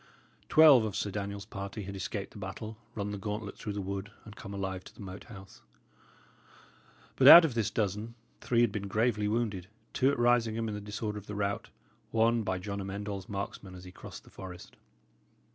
Twelve of Sir Daniel's party had escaped the battle, run the gauntlet through the wood, and come alive to the Moat House. But out of this dozen, three had been gravely wounded: two at Risingham in the disorder of the rout, one by John Amend All's marksmen as he crossed the forest.